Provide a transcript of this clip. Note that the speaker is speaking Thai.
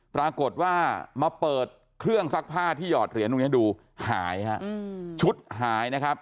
ปรากฏว่ามาเปิดเครื่องซักผ้าที่หอดเหรียญตรงนี้ดูหายฮะชุดหายนะครับ